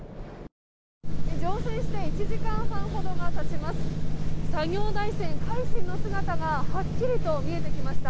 乗船して１時間半ほどが経ちます。